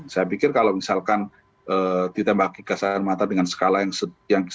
saya pikir kalau misalkan ditembaki gas air mata dengan skala yang sedikit